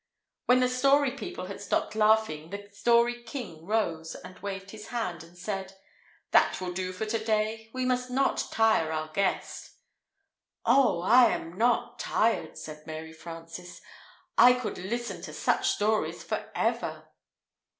When the Story People had stopped laughing the Story King rose and waved his hand and said: "That will do for to day; we must not tire our guest." "Oh, I am not tired," said Mary Frances; "I could listen to such stories forever."